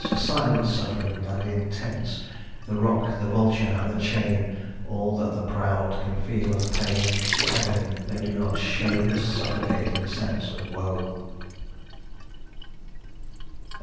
A silent suffering, and intense; The rock, the vulture, and the chain; All that the proud can feel of pain; The agony they do not show; The suffocating sense of woe."